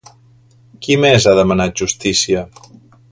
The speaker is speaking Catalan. Qui més ha demanat justícia?